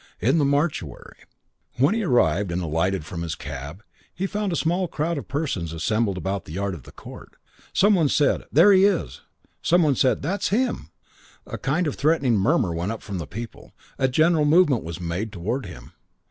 In the mortuary.... When he arrived and alighted from his cab he found a small crowd of persons assembled about the yard of the court. Some one said, "There he is!" Some one said, "That's him!" A kind of threatening murmur went up from the people. A general movement was made towards him.